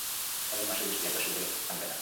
শ্রাবণ মাসের বৃষ্টি একবার শুরু হলে থামবে না।